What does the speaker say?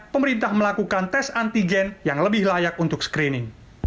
pemerintah melakukan tes antigen yang lebih layak untuk screening